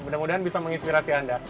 mudah mudahan bisa menginspirasi anda